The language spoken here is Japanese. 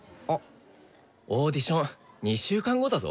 オーディション２週間後だぞ。